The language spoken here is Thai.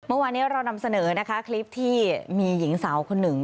เมื่อวานี้เรานำเสนอนะคะคลิปที่มีหญิงสาวคนหนึ่ง